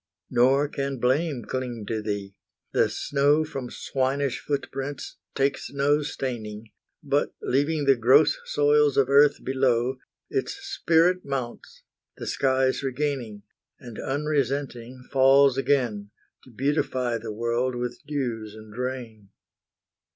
Nor can blame cling to thee; the snow From swinish foot prints takes no staining, But, leaving the gross soils of earth below, Its spirit mounts, the skies regaining, And unresenting falls again, To beautify the world with dews and rain.